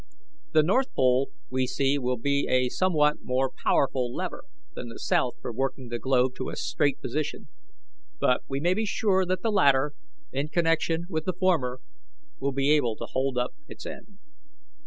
The north pole, we see, will be a somewhat more powerful lever than the south for working the globe to a straight position, but we may be sure that the latter, in connection with the former, will be able to hold up its end."